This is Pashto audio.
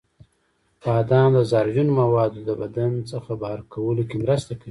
بادام د زهرجنو موادو د بدن څخه بهر کولو کې مرسته کوي.